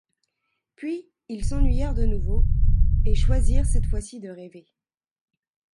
Puis, ils s'ennuyèrent de nouveau, et choisirent cette fois-ci de rêver.